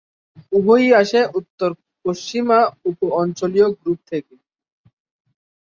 উভয়ই আসে উত্তর-পশ্চিমা উপ অঞ্চলীয় গ্রুপ থেকে।